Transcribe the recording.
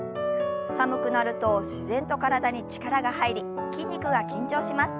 寒くなると自然と体に力が入り筋肉が緊張します。